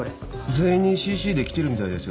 全員にＣＣで来てるみたいですよ。